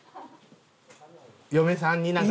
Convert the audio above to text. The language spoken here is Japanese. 嫁さんになんか。